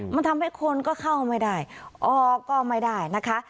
มันทำให้คนก็เข้าไม่ได้ออกก็ไม่ได้นะคะ